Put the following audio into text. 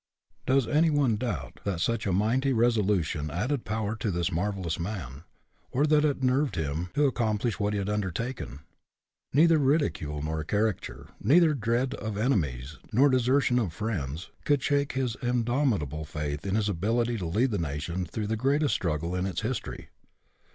Does any one doubt that such a mighty resolution added power to this marvelous man ; or that it nerved him to accomplish what he had undertaken? Neither ridicule nor caricature neither dread of enemies nor desertion of friends, could shake his indomitable faith in his ability to lead the nation through the greatest struggle in its history.